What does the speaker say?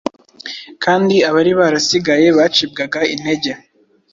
kandi abari barasigaye bacibwaga intege